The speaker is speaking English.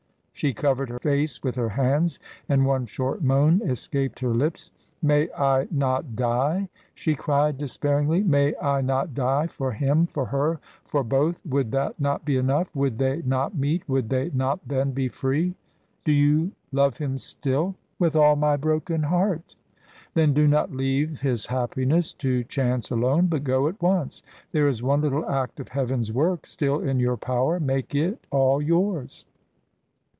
She covered her face with her hands, and one short moan escaped her lips. "May I not die?" she cried despairingly. "May I not die for him for her, for both? Would that not be enough? Would they not meet? Would they not then be free?" "Do you love him still?" "With all my broken heart " "Then do not leave his happiness to chance alone, but go at once. There is one little act of Heaven's work still in your power. Make it all yours."